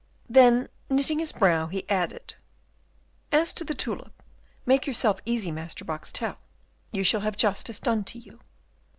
Then, knitting his brow, he added, "As to the tulip, make yourself easy, Master Boxtel, you shall have justice done to you."